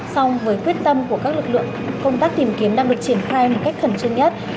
song với quyết tâm của các lực lượng công tác tìm kiếm đang được triển khai một cách khẩn trương nhất